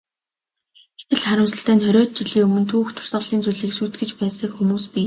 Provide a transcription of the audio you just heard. Гэтэл, харамсалтай нь хориод жилийн өмнө түүх дурсгалын зүйлийг сүйтгэж байсан хүмүүс бий.